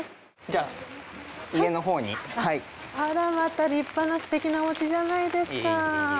あらまた立派なすてきなお家じゃないですか。